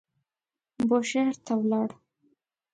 بوشهر ته ولاړ.